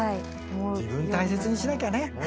自分大切にしなきゃね。